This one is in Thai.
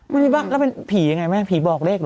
ไม่ใช่ป่ะแล้วเป็นผียังไงแม่ผีบอกเลขเหรอ